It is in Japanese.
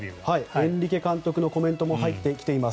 エンリケ監督のコメントも入ってきています。